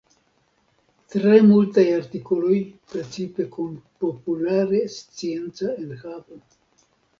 Tre multaj artikoloj precipe kun populare scienca enhavo.